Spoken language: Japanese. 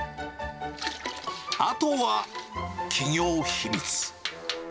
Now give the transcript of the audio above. あとは、企業秘密。